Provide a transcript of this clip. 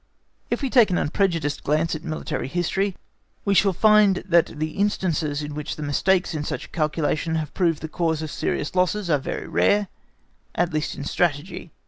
If we take an unprejudiced glance at military history, we shall find that the instances in which mistakes in such a calculation have proved the cause of serious losses are very rare, at least in Strategy.